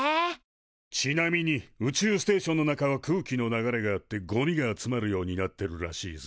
ちなみに宇宙ステーションの中は空気の流れがあってゴミが集まるようになってるらしいぜ。